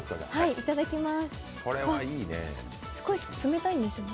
いただきます。